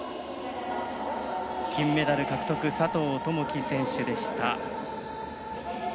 金メダル獲得佐藤友祈選手でした。